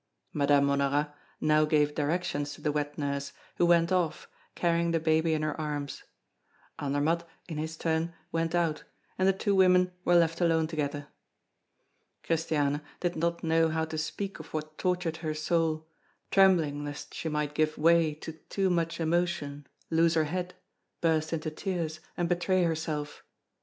Madame Honorat now gave directions to the wet nurse, who went off, carrying the baby in her arms. Andermatt, in his turn, went out, and the two women were left alone together. Christiane did not know how to speak of what tortured her soul, trembling lest she might give way to too much emotion, lose her head, burst into tears, and betray herself.